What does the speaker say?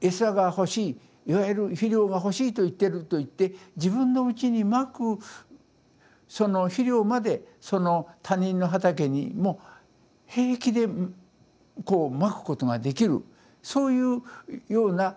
餌が欲しいいわゆる肥料が欲しいと言ってるといって自分のうちにまくその肥料まで他人の畑にも平気でまくことができるそういうような